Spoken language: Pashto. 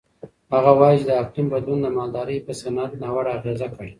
هغه وایي چې د اقلیم بدلون د مالدارۍ په صنعت ناوړه اغېز کړی.